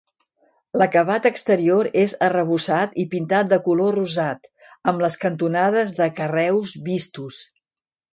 L'acabat exterior és arrebossat i pintat de color rosat, amb les cantonades de carreus vistos.